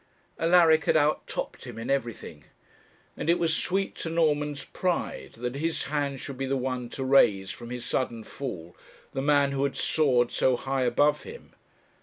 Alaric had out topped him in everything, and it was sweet to Norman's pride that his hand should be the one to raise from his sudden fall the man who had soared so high above him.